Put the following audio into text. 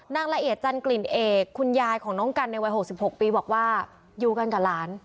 นางละเอียดจันกลิ่นเอกคุณยายของน้องกันในวัย๖๖ปีบอกว่าอยู่กันกับหลาน